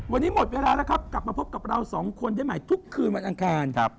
วันนี้หมดเวลาแล้วครับกลับมาพบกับเราสองคนได้ใหม่ทุกคืนวันอังคาร